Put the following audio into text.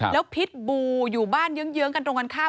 แล้วพิษบูอยู่บ้านเยื้องกันตรงกันข้าม